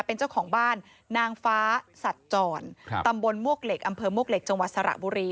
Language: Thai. เป็นเจ้าของบ้านนางฟ้าสัตว์จรตำบลมวกเหล็กอำเภอมวกเหล็กจังหวัดสระบุรี